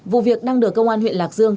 vụ việc đang đưa công an huyện lạc dương